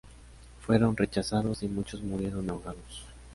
Fueron rechazados y muchos murieron ahogados.